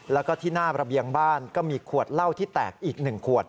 แล้วก็ที่หน้าระเบียงบ้านก็มีขวดเหล้าที่แตกอีก๑ขวด